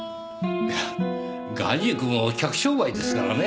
いや画塾も客商売ですからね。